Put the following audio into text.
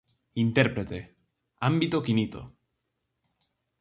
Intérprete: Ámbito quinito.